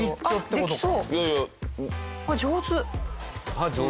届きそう。